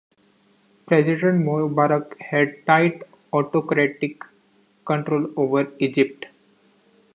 President Mubarak had tight, autocratic control over Egypt.